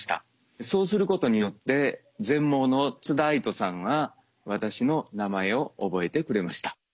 そうすることによって全盲の津田愛土さんは私の名前を覚えてくれました。